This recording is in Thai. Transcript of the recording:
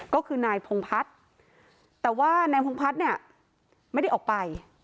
ก็คือนายพงพัฒน์แต่ว่านายพงพัฒน์เนี่ยไม่ได้ออกไป